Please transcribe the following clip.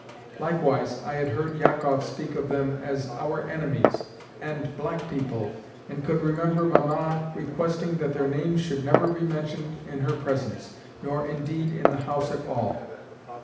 Likewise, I had heard Jakoff speak of them as "our enemies" and "black people" and could remember Mamma requesting that their names should never be mentioned in her presence, nor, indeed, in the house at all.